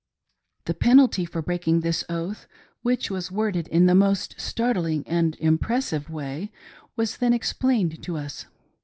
The penalty for breaking this oath, which was worded in the most startling and impressive way, was then explained to us.